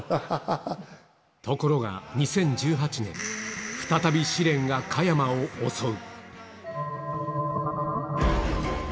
ところが２０１８年、再び試練が加山を襲う。